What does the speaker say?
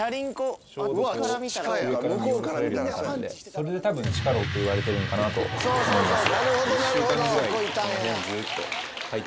それで地下牢といわれてるのかなと思います。